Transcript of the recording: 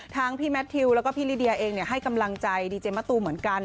พี่แมททิวแล้วก็พี่ลิเดียเองให้กำลังใจดีเจมะตูเหมือนกัน